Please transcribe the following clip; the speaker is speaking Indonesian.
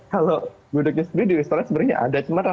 kalau gudegnya sendiri di restaurant sebenarnya ada